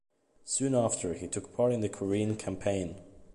Soon after, he took part in the Korean Campaign.